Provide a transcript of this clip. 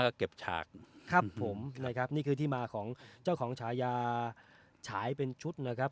ก็เก็บฉากครับผมนะครับนี่คือที่มาของเจ้าของฉายาฉายเป็นชุดนะครับ